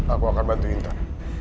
aku akan bantu intan